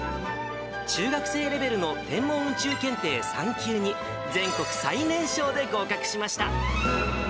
中学生レベルの天文宇宙検定３級に、全国最年少で合格しました。